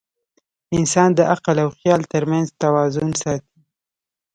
انسان د عقل او خیال تر منځ توازن ساتي.